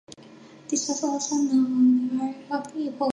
This was also known of the Acuera people.